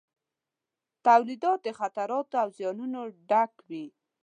تولیدات د خطراتو او زیانونو ډک وي.